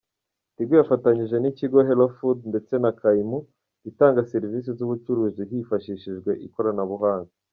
Tigo yafatanije n’ikigo Hellofood ndetse na Kaymu itanga serivisi z’ubucuruzi hifashishijwe ikoranabuhanga.